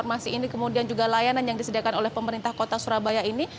ada juga layanan yang disediakan oleh pemerintah kota surabaya ini